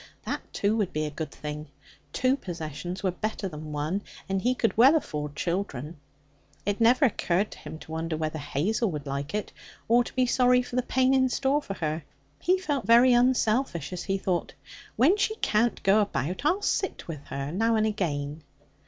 That, too, would be a good thing. Two possessions are better than one, and he could well afford children. It never occurred to him to wonder whether Hazel would like it, or to be sorry for the pain in store for her. He felt very unselfish as he thought, 'When she can't go about, I'll sit with her now and again.'